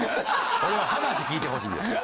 俺は話聞いてほしいんですわ。